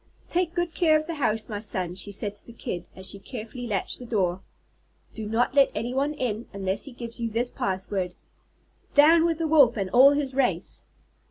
"Take good care of the house, my son," she said to the Kid, as she carefully latched the door. "Do not let anyone in, unless he gives you this password: 'Down with the Wolf and all his race!'"